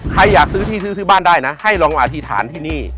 ใครอยากซื้อที่ซื้อซื้อบ้านได้นะให้ลองอธิษฐานที่นี่